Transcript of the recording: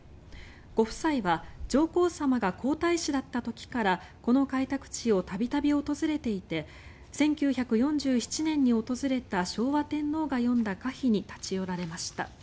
ご夫妻は上皇さまが皇太子だった時からこの開拓地を度々訪れていて１９４７年に訪れた昭和天皇が詠んだ歌碑に立ち寄られました。